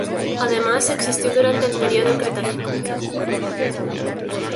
Además existió durante el periodo Cretácico.